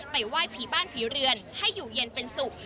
ไหว้ผีบ้านผีเรือนให้อยู่เย็นเป็นสุข